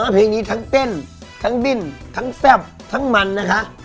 เพลงนี้ทั้งเต้นทั้งดิ้นทั้งแซ่บทั้งมันนะคะ